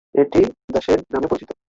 এটি "the shed" নামেও পরিচিত।